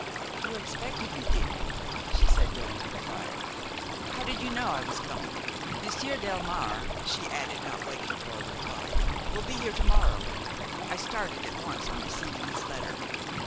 "You expected me, did you?" she said, going to the fire; "how did you know I was coming?–Monsieur Delmare," she added, not waiting for a reply, "will be here to morrow. I started at once on receiving his letter.